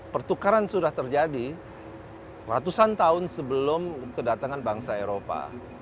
pertukaran sudah terjadi ratusan tahun sebelum kedatangan bangsa eropa